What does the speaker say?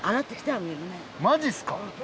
マジっすか？